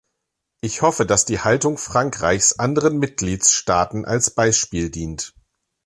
Ich hoffe, dass die Haltung Frankreichs anderen Mitgliedstaaten als Beispiel dient.